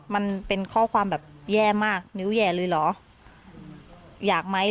มันเป็นข้อความแบบแย่มากนิ้วแย่เลยเหรออยากไหม